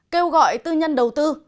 kêu gọi tư nhân đầu tư